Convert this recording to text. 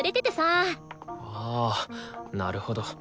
あなるほど。